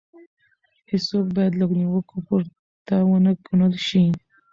هيڅوک بايد له نيوکې پورته ونه ګڼل شي.